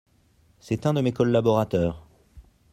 C'est un de mes collaborateurs.